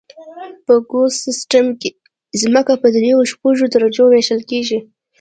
په ګوس سیستم کې ځمکه په دریو او شپږو درجو ویشل کیږي